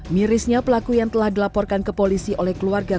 mirisnya pelaku yang telah dilaporkan ke polisi oleh keluarga